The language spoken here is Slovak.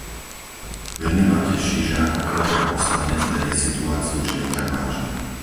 Veľmi ma teší, že ako kolega poslanec berie situáciu žien tak vážne.